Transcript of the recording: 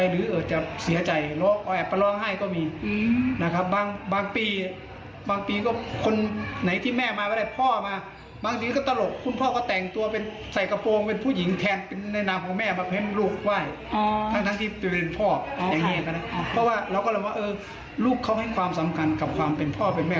เราก็ลองว่าเออลูกเขาให้ความสำคัญกับความเป็นพ่อเป็นแม่